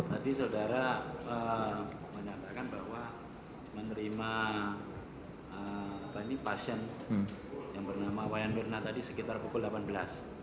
tadi saudara menyatakan bahwa menerima pasien yang bernama wayan mirna tadi sekitar pukul delapan belas